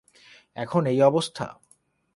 এখন এই অবস্থা।